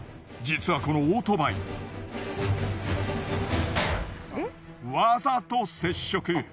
実はこのオートバイ。わざと接触。